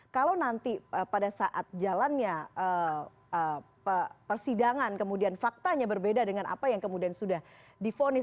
kalau nanti pada saat jalannya persidangan kemudian faktanya berbeda dengan apa yang kemudian sudah difonis